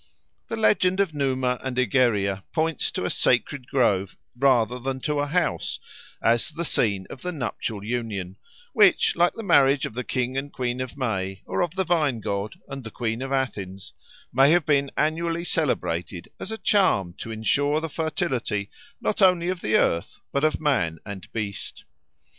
The legend of Numa and Egeria points to a sacred grove rather than to a house as the scene of the nuptial union, which, like the marriage of the King and Queen of May, or of the vine god and the Queen of Athens, may have been annually celebrated as a charm to ensure the fertility not only of the earth but of man and beast.